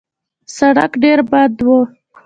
سړک ډېر بند و.